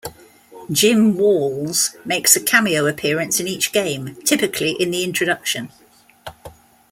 Jim Walls makes a cameo appearance in each game, typically in the introduction.